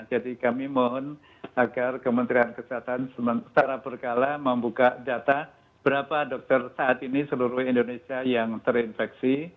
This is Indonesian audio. jadi kami mohon agar kementerian kesehatan secara berkala membuka data berapa dokter saat ini seluruh indonesia yang terinfeksi